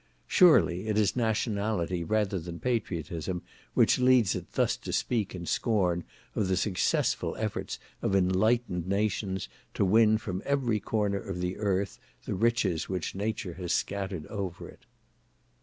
Surely it is nationality rather than patriotism which leads it thus to speak in scorn of the successful efforts of enlightened nations to win from every corner of the earth the riches which nature has scattered over it.